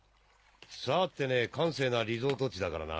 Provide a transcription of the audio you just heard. さてね閑静なリゾート地だからな。